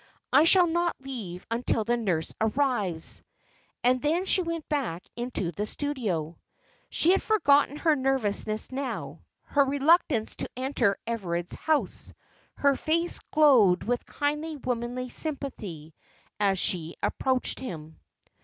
I shall not leave until the nurse arrives." And then she went back into the studio. She had forgotten her nervousness now, her reluctance to enter Everard's house; her face glowed with kindly, womanly sympathy, as she approached him.